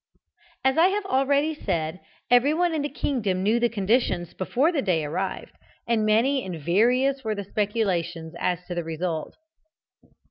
As I have already said, everyone in the kingdom knew the conditions before the day arrived, and many and various were the speculations as to the result.